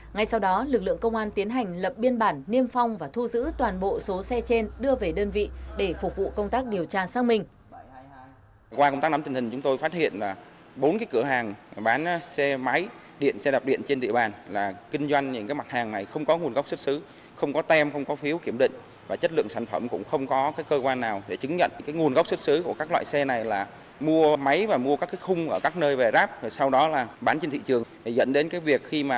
ngay sau đó lực lượng công an tiến hành lập biên bản niêm phong và thu giữ toàn bộ số xe trên đưa về đơn vị để phục vụ công tác điều tra sang mình